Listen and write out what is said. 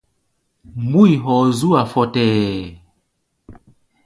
Mbúi hɔɔ zú-a fɔtɛɛ.